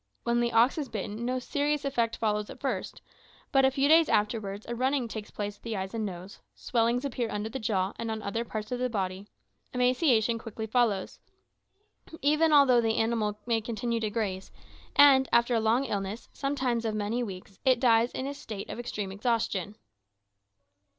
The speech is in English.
When the ox is bitten no serious effect follows at first, but a few days afterwards a running takes place at the eyes and nose, swellings appear under the jaw and on other parts of the body, emaciation quickly follows, even although the animal may continue to graze, and after a long illness, sometimes of many weeks, it dies in a state of extreme exhaustion.